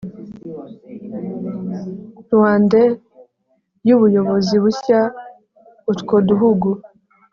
Rwandais y ubuyobozi bushya utwo duhugu